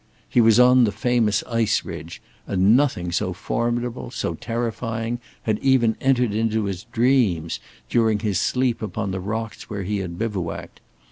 He was on the famous ice ridge; and nothing so formidable, so terrifying, had even entered into his dreams during his sleep upon the rocks where he had bivouacked.